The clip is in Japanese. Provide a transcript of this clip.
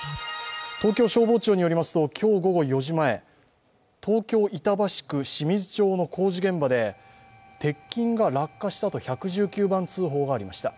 東京消防庁によりますと今日午後４時前、東京・板橋区清水町の工事現場で鉄筋が落下したと１１９番通報がありました。